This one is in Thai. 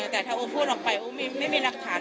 แต่ถ้าโอพูดออกไปโอ๊ไม่มีรักฐาน